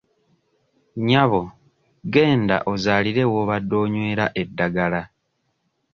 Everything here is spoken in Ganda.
Nnyabo genda ozaalire w'obadde onywera eddagala.